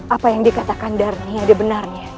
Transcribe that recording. apa yang dikatakan dari dia benarnya